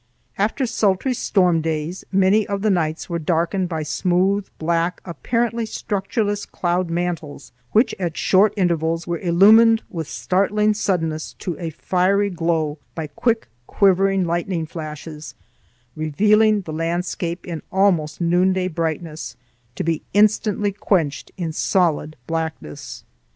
After sultry storm days, many of the nights were darkened by smooth black apparently structureless cloud mantles which at short intervals were illumined with startling suddenness to a fiery glow by quick, quivering lightning flashes, revealing the landscape in almost noonday brightness, to be instantly quenched in solid blackness.